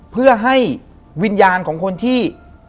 เพื่อให้วิญญาณของคนที่